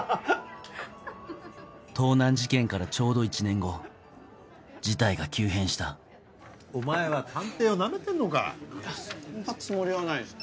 盗難事件からちょうど１年後事態が急変したお前は探偵をナメてんのか⁉いやそんなつもりはないっす。